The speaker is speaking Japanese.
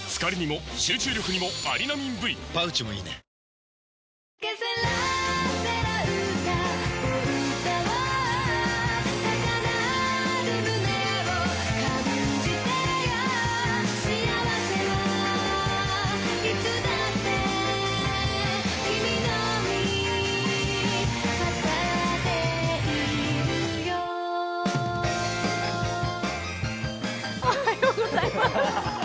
「ロリエ」おはようございます。